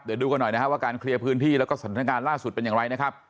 เดี๋ยวดูกันหน่อยนะครับว่าการเคลียร์พื้นที่แล้วก็สถานการณ์ล่าสุดเป็นอย่างไรนะครับ